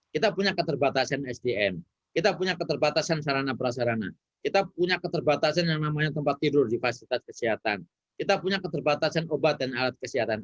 kita punya keterbatasan sdm kita punya keterbatasan sarana prasarana kita punya keterbatasan yang namanya tempat tidur di fasilitas kesehatan kita punya keterbatasan obat dan alat kesehatan